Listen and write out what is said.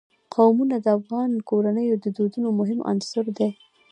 قومونه د افغان کورنیو د دودونو مهم عنصر دی.